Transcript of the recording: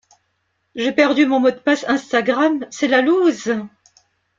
J'ai perdu mon mot de passe Instagram, c'est la loose.